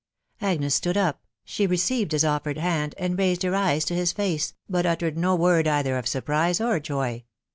Agnes stood up ; she received his offered hand, and raised her eyes to his face, but uttered no word either of surprise or joy.